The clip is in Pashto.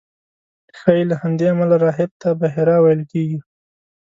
ښایي له همدې امله راهب ته بحیرا ویل کېږي.